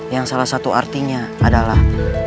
yang salah satu artinya adalah